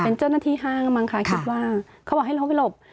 เป็นเจ้าหน้าที่ห้างมั้งค่ะคิดว่าเขาบอกให้เราไปหลบ